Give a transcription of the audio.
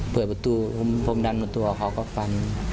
เปิดประตูผมพึ่งดันประตูออกเค้าก็ฟัน